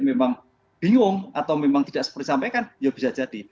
memang bingung atau memang tidak seperti sampaikan ya bisa jadi